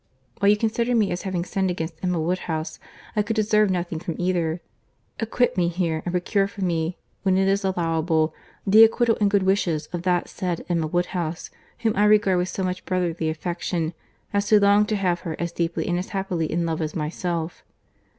While you considered me as having sinned against Emma Woodhouse, I could deserve nothing from either. Acquit me here, and procure for me, when it is allowable, the acquittal and good wishes of that said Emma Woodhouse, whom I regard with so much brotherly affection, as to long to have her as deeply and as happily in love as myself.